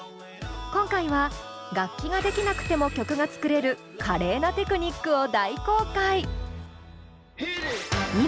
今回は楽器ができなくても曲が作れる華麗なテクニックを大公開！